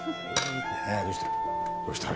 あどうした？